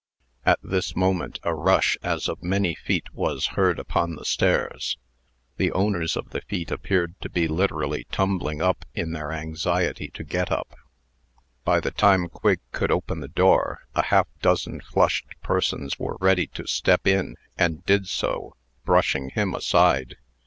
At this moment, a rush, as of many feet, was heard upon the stairs. The owners of the feet appeared to be literally tumbling up in their anxiety to get up. By the time Quigg could open the door, a half dozen flushed persons were ready to step in, and did so, brushing him aside.